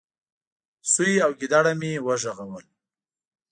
. سوی او ګيدړه مې وغږول،